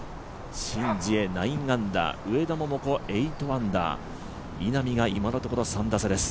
シン・ジエ９アンダー上田桃子８アンダー、稲見が今のところ３打差です。